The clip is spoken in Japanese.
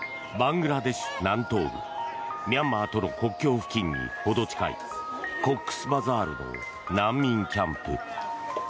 バングラデシュ南東部ミャンマーとの国境付近にほど近いコックスバザールの難民キャンプ。